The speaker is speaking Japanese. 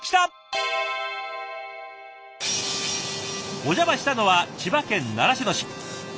お邪魔したのは千葉県習志野市。